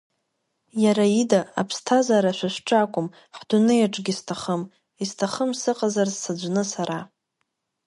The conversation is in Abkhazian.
Иара ида аԥсҭазара шәа шәҿы акәым, ҳдунеи аҿгьы исҭахым, исҭахым сыҟазарц саӡәны сара!